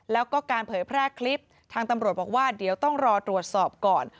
แล้วก็การเผยแพร่คลิปทางตำรวจบอกว่าเดี๋ยวต้องรอตรวจสอบก่อน